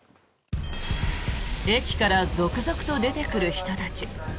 駅から続々と出てくる人たち。